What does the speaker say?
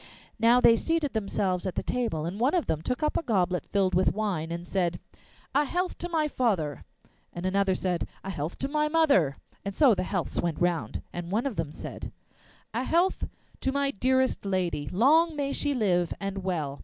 Now they seated themselves at the table, and one of them took up a goblet filled with wine, and said, 'A health to my father!' And another said, 'A health to my mother!' and so the healths went round. Then one of them said: 'A health to my dearest lady, Long may she live and well!